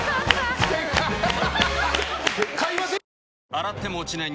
洗っても落ちない